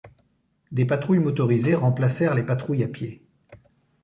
Des patrouilles motorisées remplacèrent les patrouilles à pied.